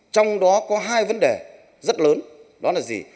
trong đó có hai vấn đề rất lớn đó là gì